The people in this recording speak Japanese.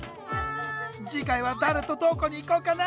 次回は誰とどこに行こうかな。